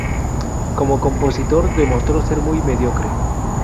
Como compositor demostró ser muy mediocre.